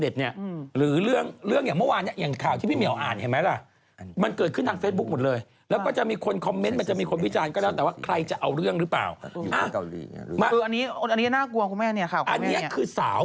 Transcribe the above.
คือใครจะด่าแบบยาบคล้ายมันแล้วแต่ว่าจะเอาเรื่องหรือเปล่า